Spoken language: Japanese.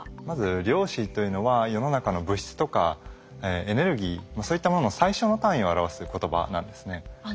まず量子というのは世の中の物質とかエネルギーそういったものの最小の単位を表す言葉なんですね。